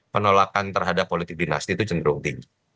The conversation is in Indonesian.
penolakan terhadap politik dinasti itu cenderung tinggi